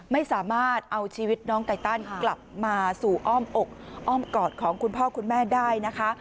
ไม่สามารถเอาชีวิตน้องไตตันกลับมาสู่อ้อมอกอ้อมกอดของคุณพ่อคุณแม่ได้นะคะ